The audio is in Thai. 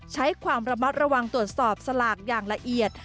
ใช้ความระมัดระวังตรวจสอบสลากอย่างละเอียด